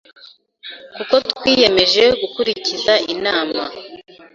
kuko twiyemeje gukurikiza inama